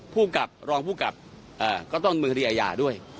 ผู้กับรองผู้กับก็ต้องมือคดีอาญาด้วย